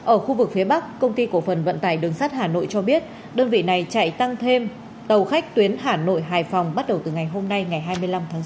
ở khu vực phía bắc công ty cổ phần vận tải đường sắt hà nội cho biết đơn vị này chạy tăng thêm tàu khách tuyến hà nội hải phòng bắt đầu từ ngày hôm nay ngày hai mươi năm tháng sáu